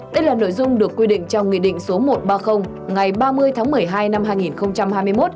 đây là nội dung được quy định trong nghị định số một trăm ba mươi ngày ba mươi tháng một mươi hai năm hai nghìn hai mươi một